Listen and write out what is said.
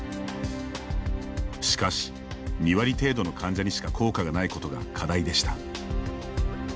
しかし、２割程度の患者にしか効果がないことが課題でした。